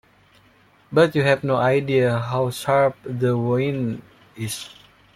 But you have no idea how sharp the wind is.